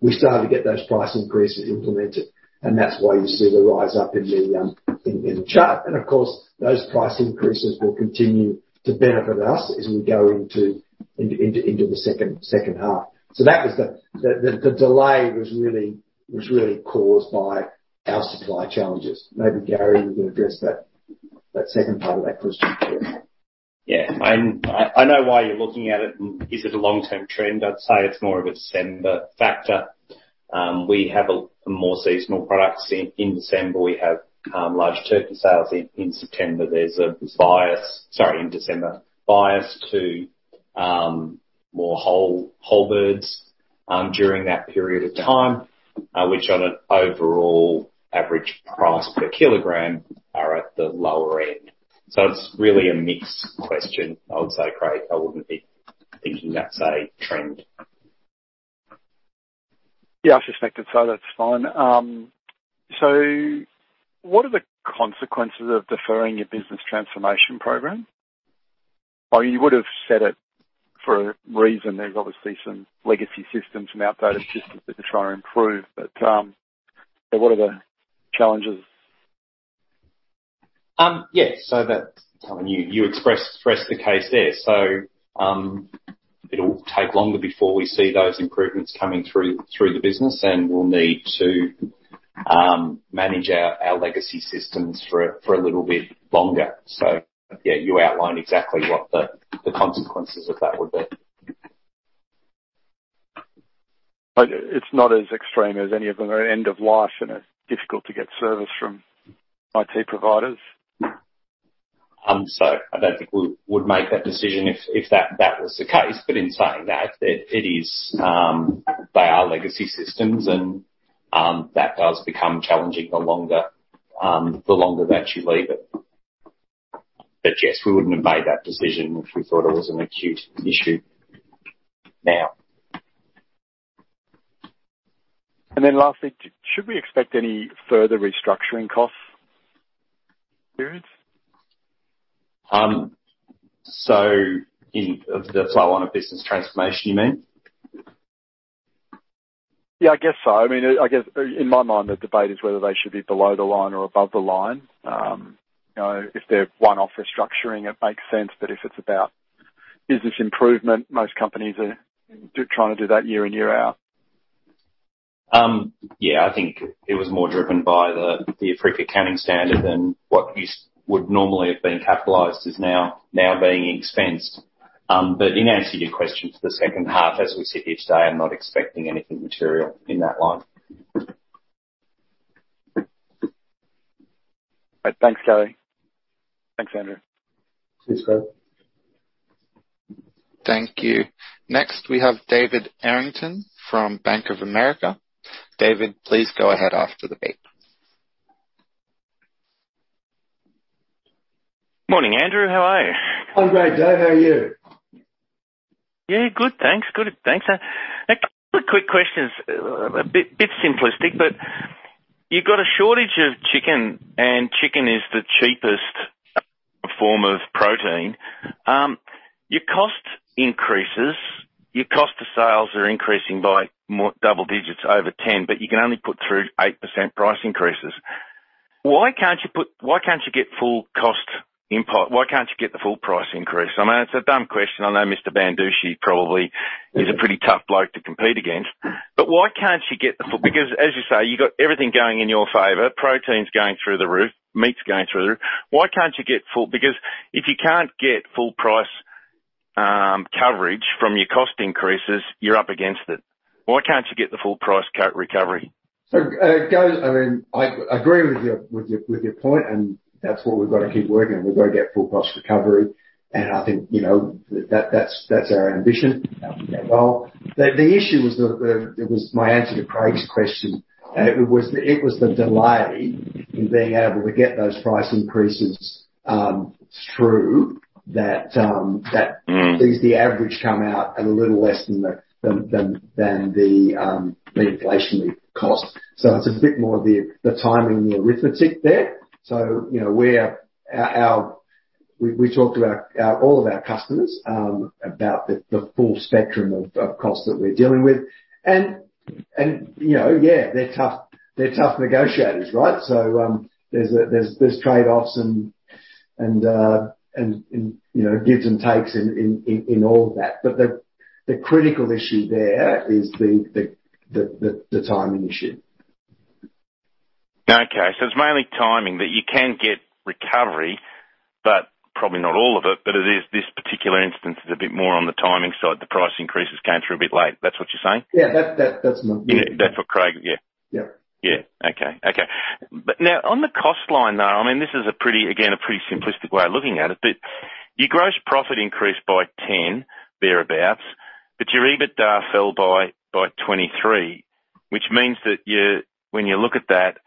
S1: we started to get those price increases implemented, and that's why you see the rise up in the chart. Of course, those price increases will continue to benefit us as we go into the second half. That was the delay was really caused by our supply challenges. Maybe Gary would address that second part of that question too.
S2: Yeah. I know why you're looking at it. Is it a long-term trend? I'd say it's more of a December factor. We have more seasonal products. In December, we have large turkey sales. In September, there's a bias, sorry, in December, bias to more whole birds during that period of time, which on an overall average price per kilogram are at the lower end. It's really a mixed question, I would say, Craig. I wouldn't be thinking that's a trend.
S6: Yeah, I suspected so. That's fine. What are the consequences of deferring your business transformation program? You would've said it for a reason. There's obviously some legacy systems, some outdated systems that you're trying to improve. What are the challenges?
S2: Yes. That's, I mean, you expressed the case there. It'll take longer before we see those improvements coming through the business, and we'll need to manage our legacy systems for a little bit longer. Yeah, you outlined exactly what the consequences of that would be.
S6: It's not as extreme as any of them are end of life and it's difficult to get service from IT providers?
S2: I don't think we would make that decision if that was the case. In saying that, it is, they are legacy systems and that does become challenging the longer that you leave it. Yes, we wouldn't have made that decision if we thought it was an acute issue now.
S6: Lastly, should we expect any further restructuring costs periods?
S2: That's on a business transformation, you mean?
S6: Yeah, I guess so. I mean, I guess in my mind, the debate is whether they should be below the line or above the line. You know, if they're one-off restructuring, it makes sense. If it's about business improvement, most companies are trying to do that year in, year out.
S2: Yeah. I think it was more driven by the AASB 16 than what you would normally have been capitalized is now being expensed. In answer to your question for the second half, as we sit here today, I'm not expecting anything material in that line.
S6: Thanks, Gary. Thanks, Andrew.
S1: Cheers, Craig.
S3: Thank you. Next, we have David Errington from Bank of America. David, please go ahead after the beep.
S7: Morning, Andrew. How are you?
S1: I'm great, Dave. How are you?
S7: Yeah, good. Thanks. Good. Thanks. A bit simplistic, but you've got a shortage of chicken, and chicken is the cheapest form of protein. Your cost increases. Your cost to sales are increasing by more double digits over 10, but you can only put through 8% price increases. Why can't you get full cost input? Why can't you get the full price increase? I mean, it's a dumb question. I know Mr. Banducci probably is a pretty tough bloke to compete against. Why can't you get the because as you say, you've got everything going in your favor. Protein's going through the roof, meat's going through the roof. Why can't you get full? Because if you can't get full price, coverage from your cost increases, you're up against it. Why can't you get the full price co- recovery?
S1: Dave, I mean, I agree with your point, and that's what we've got to keep working. We've got to get full cost recovery. I think, you know, that's, that's our ambition. The issue was the, it was my answer to Craig's question. It was the delay in being able to get those price increases through that.
S7: Mm.
S1: sees the average come out at a little less than the inflationary cost. It's a bit more the timing and the arithmetic there. You know, we talked to our all of our customers about the full spectrum of costs that we're dealing with. You know, yeah, they're tough negotiators, right? There's trade-offs and, you know, gives and takes in all of that. The critical issue there is the timing issue.
S7: Okay. You can get recovery, but probably not all of it. It is this particular instance is a bit more on the timing side, the price increases came through a bit late. That's what you're saying?
S1: Yeah. That's my-
S7: Yeah. That's what Craig... Yeah.
S1: Yeah.
S7: Yeah. Okay. Okay. Now on the cost line, now, I mean this is a pretty, again, a pretty simplistic way of looking at it, but your gross profit increased by 10%, thereabouts, but your EBITDA fell by 23%. Which means that when you look at that,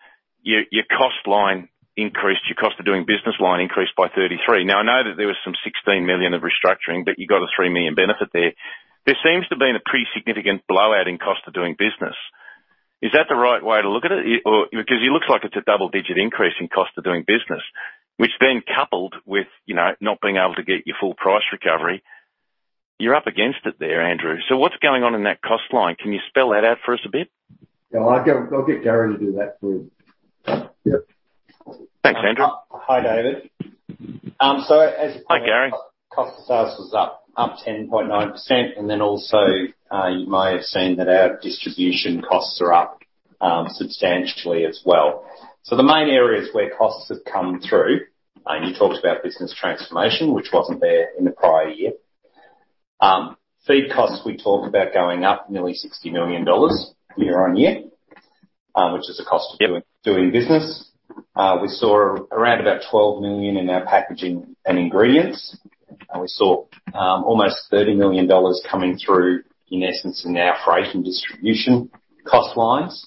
S7: your cost line increased, your cost of doing business line increased by 33%. I know that there was some 16 million of restructuring, but you got a 3 million benefit there. There seems to have been a pretty significant blowout in cost of doing business. Is that the right way to look at it? Because it looks like it's a double-digit increase in cost of doing business, which then coupled with, you know, not being able to get your full price recovery, you're up against it there, Andrew. What's going on in that cost line? Can you spell that out for us a bit?
S1: Yeah, I'll get Gary to do that for you. Yep.
S7: Thanks, Andrew.
S2: Hi, David.
S7: Hi, Gary.
S2: Cost of sales was up 10.9%. Also, you may have seen that our distribution costs are up substantially as well. The main areas where costs have come through, and you talked about business transformation, which wasn't there in the prior year. Feed costs, we talk about going up nearly $60 million year on year, which is a cost of doing business. We saw around about $12 million in our packaging and ingredients, and we saw almost $30 million coming through in essence in our freight and distribution cost lines.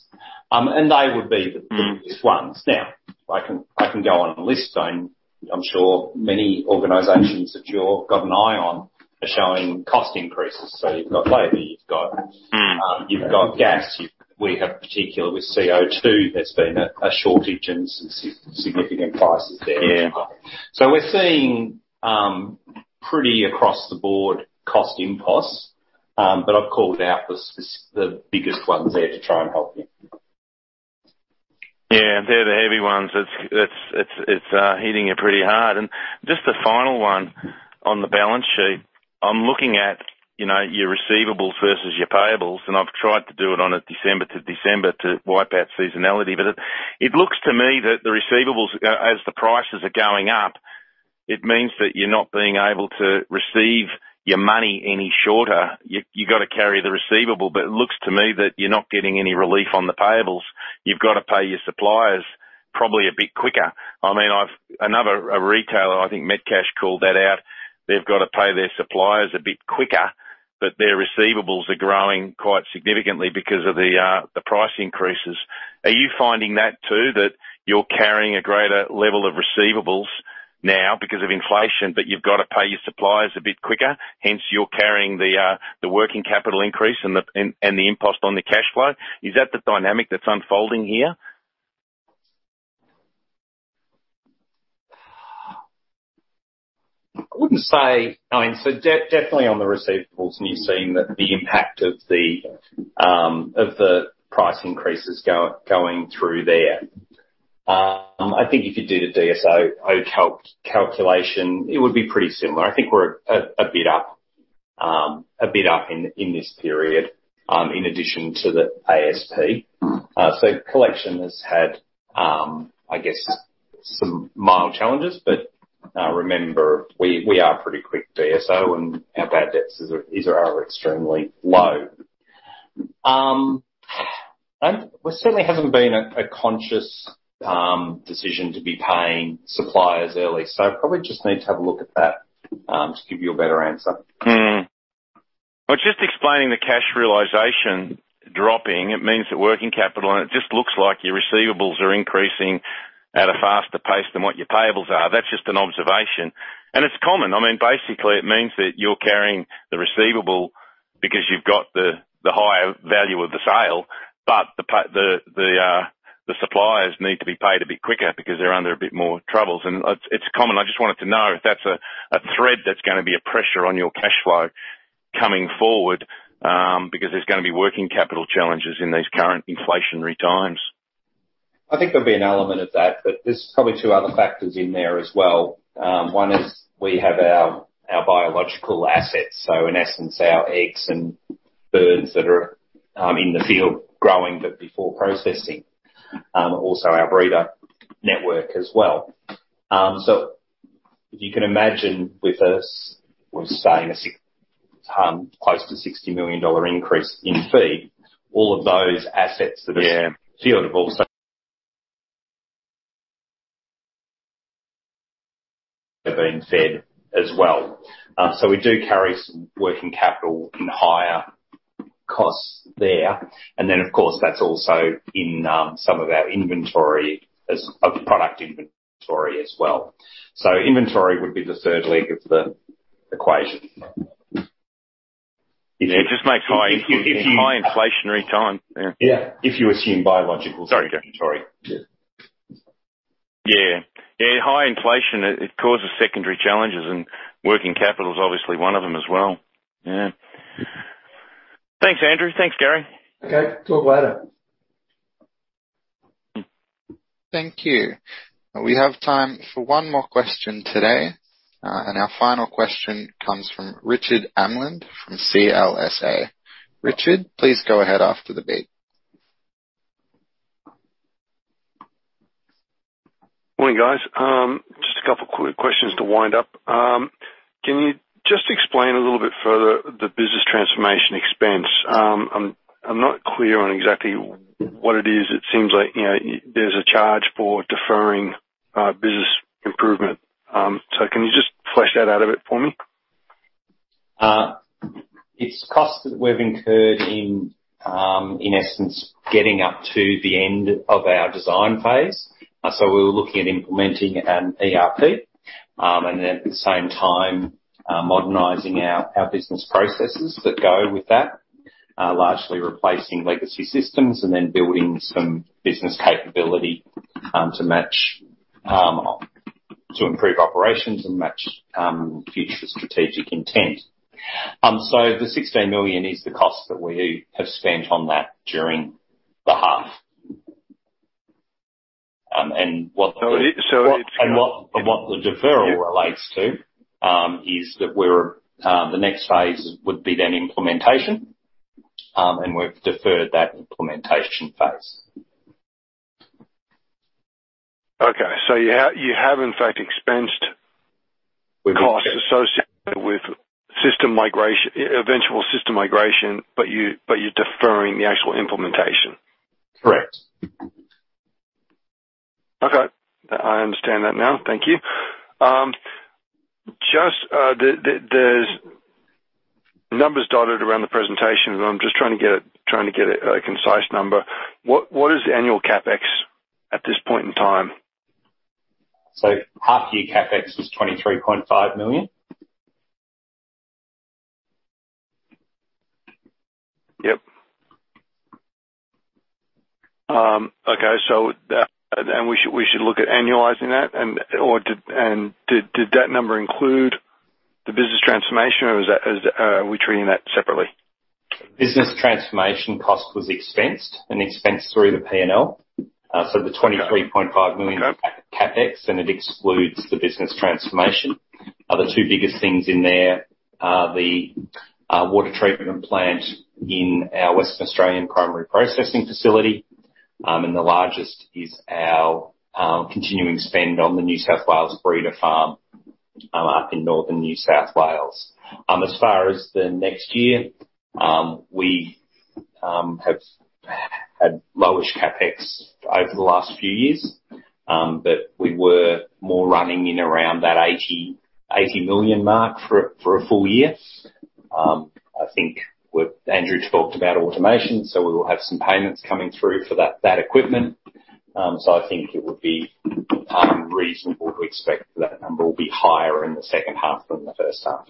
S2: They would be the biggest ones. I can go on a list item. I'm sure many organizations that you all got an eye on are showing cost increases. You've got labor, you've got-
S7: Mm.
S2: You've got gas. We have particular with CO2, there's been a shortage and some significant prices there as well.
S7: Yeah.
S2: We're seeing, pretty across the board cost impulse, but I've called out the biggest ones there to try and help you.
S7: Yeah, they're the heavy ones. It's hitting you pretty hard. Just the final one on the balance sheet. I'm looking at, you know, your receivables versus your payables, and I've tried to do it on a December to December to wipe out seasonality. It looks to me that the receivables as the prices are going up, it means that you're not being able to receive your money any shorter. You got to carry the receivable. It looks to me that you're not getting any relief on the payables. You've got to pay your suppliers probably a bit quicker. I mean, I've. Another retailer, I think Metcash called that out. They've got to pay their suppliers a bit quicker, but their receivables are growing quite significantly because of the price increases. Are you finding that too, that you're carrying a greater level of receivables now because of inflation, but you've got to pay your suppliers a bit quicker, hence you're carrying the working capital increase and the impost on the cash flow? Is that the dynamic that's unfolding here?
S2: I wouldn't say... I mean, definitely on the receivables, and you're seeing that the impact of the price increases going through there. I think if you do the DSO calculation, it would be pretty similar. I think we're a bit up in this period, in addition to the ASP.
S7: Mm.
S2: Collection has had, I guess, some mild challenges, but, remember we are pretty quick DSO, and our bad debts is/are extremely low. We certainly haven't made a conscious decision to be paying suppliers early. I probably just need to have a look at that, to give you a better answer.
S7: Well, just explaining the cash realization dropping, it means that working capital, and it just looks like your receivables are increasing at a faster pace than what your payables are. That's just an observation. It's common. I mean, basically it means that you're carrying the receivable because you've got the higher value of the sale, but the, the suppliers need to be paid a bit quicker because they're under a bit more troubles. It's common. I just wanted to know if that's a thread that's gonna be a pressure on your cash flow coming forward, because there's gonna be working capital challenges in these current inflationary times.
S2: I think there'll be an element of that. There's probably two other factors in there as well. One is we have our biological assets, in essence our eggs and birds that are in the field growing but before processing. Also our breeder network as well. If you can imagine with this, we're saying close to 60 million dollar increase in feed, all of those assets that are.
S7: Yeah.
S2: Field also are being fed as well. We do carry some working capital and higher costs there. Of course that's also in, some of our inventory of the product inventory as well. Inventory would be the third leg of the equation.
S7: It just makes high.
S2: If you-
S7: High inflationary time. Yeah.
S2: Yeah. If you assume biological-
S7: Sorry.
S2: Inventory. Yeah.
S7: Yeah. High inflation, it causes secondary challenges, and working capital is obviously one of them as well. Yeah. Thanks, Andrew. Thanks, Gary.
S1: Okay. Talk later.
S3: Thank you. We have time for one more question today. Our final question comes from Richard Amland from CLSA. Richard, please go ahead after the beep.
S8: Morning, guys. Just two quick questions to wind up. Can you just explain a little bit further the business transformation expense? I'm not clear on exactly what it is. It seems like, you know, there's a charge for deferring, business improvement. Can you just flesh that out a bit for me?
S1: It's costs that we've incurred in essence, getting up to the end of our design phase. We were looking at implementing an ERP, and then at the same time, modernizing our business processes that go with that, largely replacing legacy systems and then building some business capability, to match, to improve operations and match, future strategic intent. The 16 million is the cost that we have spent on that during the half.
S8: It
S1: What, but what the deferral relates to, is that we're the next phase would be then implementation, and we've deferred that implementation phase.
S8: You have in fact expensed costs associated with system migration, eventual system migration, but you're deferring the actual implementation?
S1: Correct.
S8: Okay. I understand that now. Thank you. There's numbers dotted around the presentation and I'm just trying to get a concise number. What is the annual CapEx at this point in time?
S2: Half year CapEx was 23.5 million.
S8: Yep. Okay. We should look at annualizing that? Or did, and did that number include the business transformation or is that, are we treating that separately?
S2: Business transformation cost was expensed and expensed through the P&L. So the AUD 23.5 million-
S8: Okay
S2: CapEx, it excludes the business transformation. Other two biggest things in there are the water treatment plant in our Western Australian primary processing facility, and the largest is our continuing spend on the New South Wales breeder farm up in northern New South Wales. As far as the next year, we have had low-ish CapEx over the last few years, but we were more running in around that 80 million mark for a full year. I think what Andrew talked about automation, we will have some payments coming through for that equipment. I think it would be reasonable to expect that number will be higher in the second half than the first half.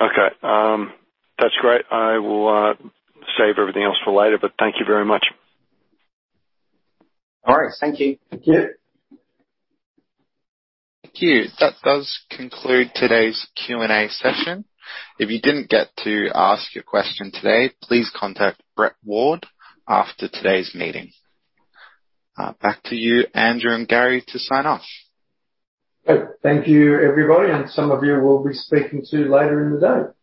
S8: Okay. That's great. I will save everything else for later. Thank you very much.
S2: All right. Thank you.
S3: Thank you. That does conclude today's Q&A session. If you didn't get to ask your question today, please contact Brett Ward after today's meeting. Back to you, Andrew and Gary, to sign off.
S1: Okay. Thank you, everybody, and some of you we'll be speaking to later in the day.